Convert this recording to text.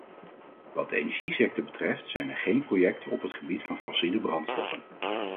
Wat de energiesector betreft zijn er geen projecten op het gebied van fossiele brandstoffen.